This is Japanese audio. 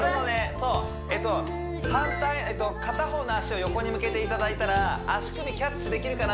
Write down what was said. そう反対片方の脚を横に向けていただいたら足首キャッチできるかな